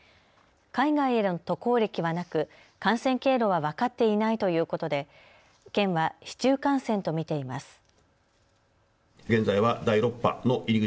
海外への渡航歴はなく感染経路は分かっていないということで県は市中感染と見ています。